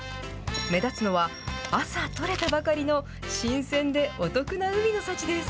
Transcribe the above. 目立つのは、朝取れたばかりの新鮮でお得な海の幸です。